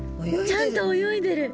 ちゃんと泳いでる！